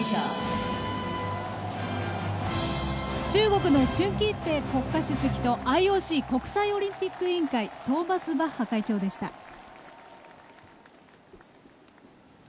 中国の習近平国家主席とＩＯＣ＝国際オリンピック委員会トーマス・バッハ会長でした。